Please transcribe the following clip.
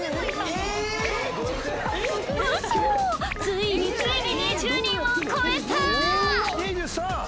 ついについに２０人を超えたー！